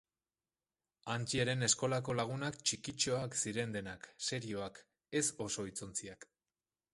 Antjeren eskolako lagunak txikitxoak ziren denak, serioak, ez oso hitzontziak.